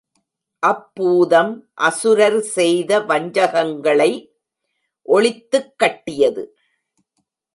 அப்பூதம் அசுரர் செய்த வஞ்சங்களை ஒழித்துக் கட்டியது.